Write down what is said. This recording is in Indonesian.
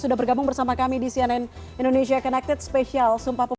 sudah bergabung bersama kami di cnn indonesia connected spesial sumpah popule